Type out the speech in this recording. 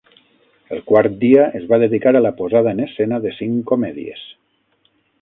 El quart dia es va dedicar a la posada en escena de cinc comèdies.